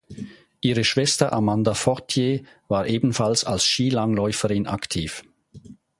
Ihre Schwester Amanda Fortier war ebenfalls als Skilangläuferin aktiv.